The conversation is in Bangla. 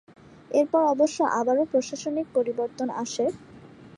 এরপর অবশ্য আবারও প্রশাসনিক পরিবর্তন আসে।